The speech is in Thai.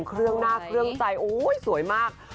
เครื่องหน้าเครื่องใจโอ้ยสวยมาก